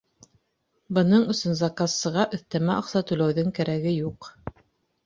Бының өсөн заказсыға өҫтәмә аҡса түләүҙең кәрәге юҡ.